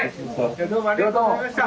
じゃあどうもありがとうございました。